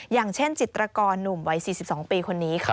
อย่างเช่นจิตรกรหนุ่มวัย๔๒ปีคนนี้ค่ะ